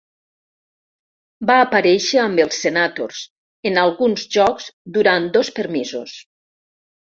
Va aparèixer amb els Senators en alguns jocs durant dos permisos.